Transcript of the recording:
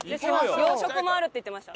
洋食もあるって言ってました。